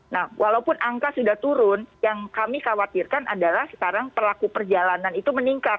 nah walaupun angka sudah turun yang kami khawatirkan adalah sekarang pelaku perjalanan itu meningkat